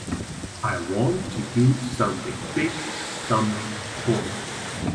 I want to do something big and something important.